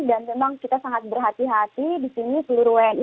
dan memang kita sangat berhati hati di sini seluruh wni